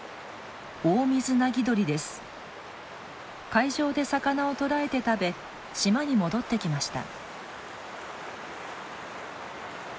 海上で魚を捕らえて食べ島に戻ってきました。